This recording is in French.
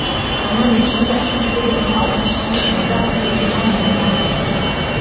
Anna Besson participe également à l'ensemble Les Arts florissants de William Christie.